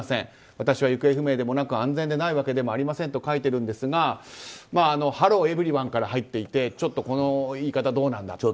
私は行方不明でもなく安全でないわけでもありませんと書いているんですがハローエブリワンから入っていてちょっとこの言い方どうなんだと。